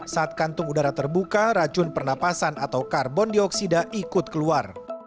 saat kantung udara terbuka racun pernapasan atau karbon dioksida ikut keluar